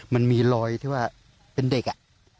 มันมีรอยที่ว่าเป็นเด็ก